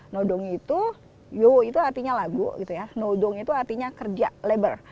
nodong itu artinya lagu nodong itu artinya kerja labor